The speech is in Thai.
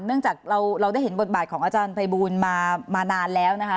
เนื่องจากเราได้เห็นบทบาทของอาจารย์ภัยบูลมานานแล้วนะคะ